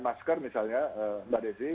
masker misalnya mbak desi